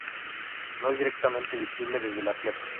No es directamente visible desde la Tierra.